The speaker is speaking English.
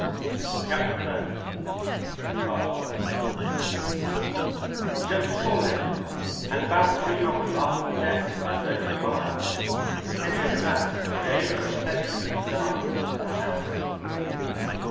Chapter Thirteen Just before Lent, and about three months after the death of Vandover's father, Henrietta Vance gave a reception and dance at her house.